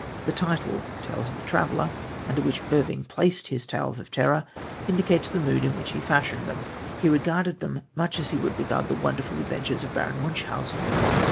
The title, Tales of a Traveller, under which Irving placed his tales of terror, indicates the mood in which he fashioned them. He regarded them much as he would regard the wonderful adventures of Baron Munchausen.